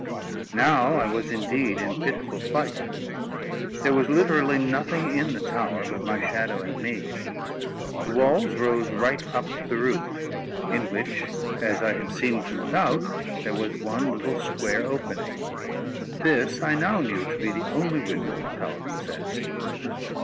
Now I was indeed in pitiful plight. There was literally nothing in the tower but my shadow and me. The walls rose right up to the roof; in which, as I had seen from without, there was one little square opening. This I now knew to be the only window the tower possessed.